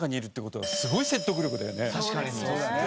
確かにそうですね。